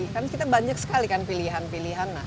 kan kita banyak sekali kan pilihan pilihan